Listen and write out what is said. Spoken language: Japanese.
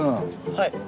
はい。